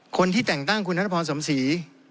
คนที่แต่งตั้งคุณนัทพรสมศรี